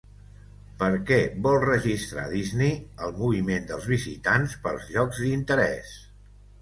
Per què vol registrar Disney el moviment dels visitants pels llocs d'interès?